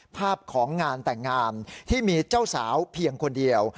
ภาพของงานแต่งงานที่มีเจ้าสาวเพียงคนเดียว